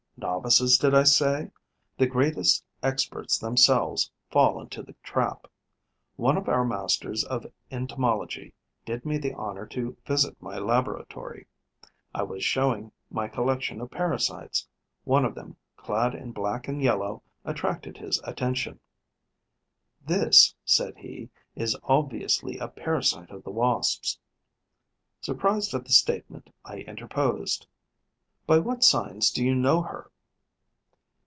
Novices, did I say? The greatest experts themselves fall into the trap. One of our masters of entomology did me the honour to visit my laboratory. I was showing my collection of parasites. One of them, clad in black and yellow, attracted his attention. 'This,' said he, 'is obviously a parasite of the Wasps.' Surprised at the statement, I interposed: 'By what signs do you know her?'